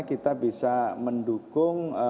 kita bisa mendukung